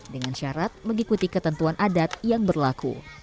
dengan syarat mengikuti ketentuan adat yang berlaku